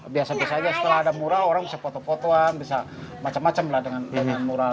biasa biasa saja setelah ada mural orang bisa foto fotoan bisa macam macam lah dengan mural